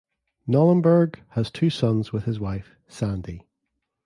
Knollenberg has two sons with his wife, Sandie.